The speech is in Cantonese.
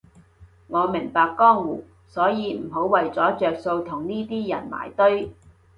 我明白江湖，所以唔好為咗着數同呢啲人埋堆